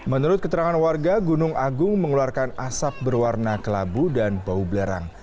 menurut keterangan warga gunung agung mengeluarkan asap berwarna kelabu dan bau belerang